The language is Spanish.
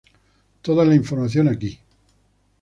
Toda la información aquí